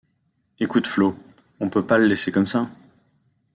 Écoute Flo, on peut pas le laisser comme ça.